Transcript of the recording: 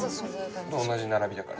同じ並びだから。